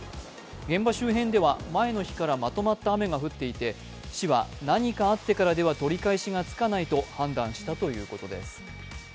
現場周辺からは、前の日からまとまった雨が降っていて、市は何かあってからでは取り返しがつかないと判断したということです。